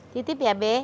titip ya be